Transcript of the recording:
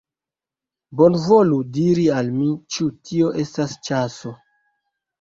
Bonvolu diri al mi, ĉu tio estas ĉaso!